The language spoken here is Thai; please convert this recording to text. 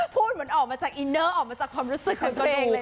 พูดเหมือนออกมาจากอินเนอร์ออกมาจากความรู้สึกของตัวเองเลย